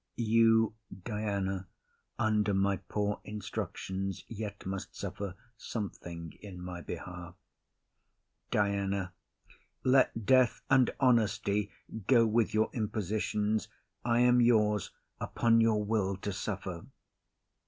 You, Diana, Under my poor instructions yet must suffer Something in my behalf. DIANA. Let death and honesty Go with your impositions, I am yours Upon your will to suffer.